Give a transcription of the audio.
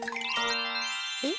えっ？